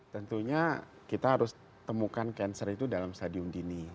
tentunya kita harus temukan cancer itu dalam stadium dini